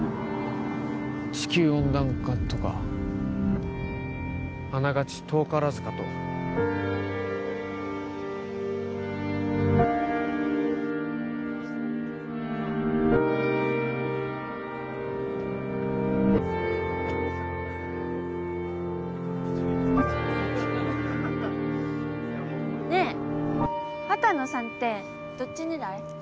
・地球温暖化とかあながち遠からずかとねえ畑野さんってどっち狙い？